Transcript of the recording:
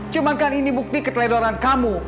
cuma kan ini bukti keteledoran kamu